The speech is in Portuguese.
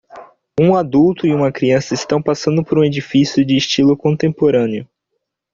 Um adulto e uma criança estão passando por um edifício de estilo contemporâneo.